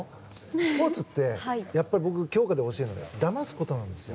スポーツってやっぱり、強化で教えるのがだますことなんですよ。